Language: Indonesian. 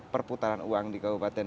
perputaran uang di kabupaten